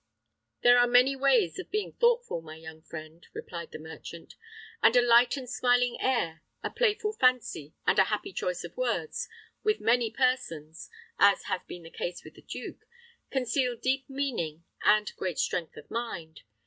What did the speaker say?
"There are many ways of being thoughtful, my young friend," replied the merchant, "and a light and smiling air, a playful fancy, and a happy choice of words, with many persons as has been the case with the duke conceal deep meaning and great strength of mind.